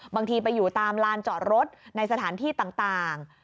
บางทีไปอยู่ตามลานจอดรถในสถานที่ต่าง